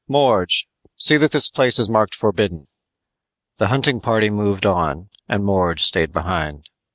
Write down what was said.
"Morge! See that this place is marked forbidden." The hunting party moved on and Morge stayed behind.